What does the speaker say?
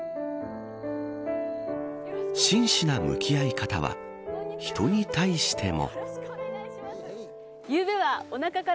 真摯な向き合い方は人に対しても。